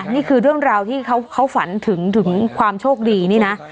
เรื่องที่เขาฝันถึงความโชคดีนี่นะ